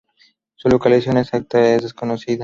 Su localización exacta es desconocida.